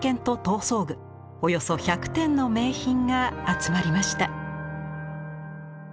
およそ１００点の名品が集まりました。